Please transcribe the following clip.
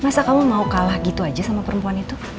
masa kamu mau kalah gitu aja sama perempuan itu